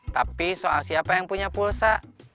tapi soal siapa yang punya pulsa